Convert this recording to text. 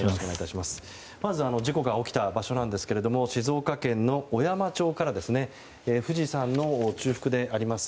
まず事故が起きた場所なんですけれども静岡県の小山町から富士山の中腹であります